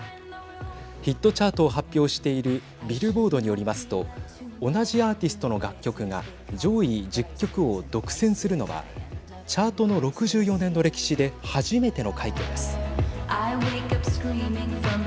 ヒットチャートを発表しているビルボードによりますと同じアーティストの楽曲が上位１０曲を独占するのはチャートの６４年の歴史で初めての快挙です。